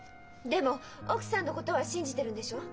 でも奥さんのことは信じてるんでしょう？